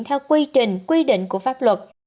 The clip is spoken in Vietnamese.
theo quy trình quy định của pháp luật